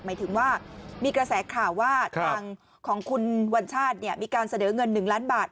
หมายถึงว่ามีกระแสข่าวว่าทางของคุณวัญชาติมีการเสนอเงิน๑ล้านบาท